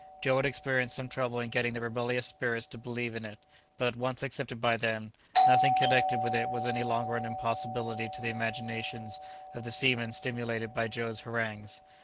Joe had experienced some trouble in getting the rebellious spirits to believe in it; but, once accepted by them, nothing connected with it was any longer an impossibility to the imaginations of the seamen stimulated by Joe's harangues.